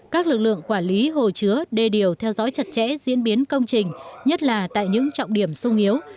các lực lượng quản lý hồ chứa đê điều theo dõi chặt chẽ diễn biến công trình nhất là tại những trọng điểm sung yếu